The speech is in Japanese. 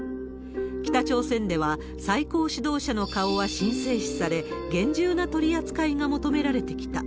北朝鮮では、最高指導者の顔は神聖視され、厳重な取り扱いが求められてきた。